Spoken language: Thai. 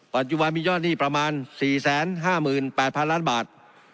ปัจจุบันมียอดหนี้ประมาณ๔๕๘๐๐๐ล้านบาท